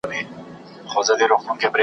حیا مي راسي چي درته ګورم .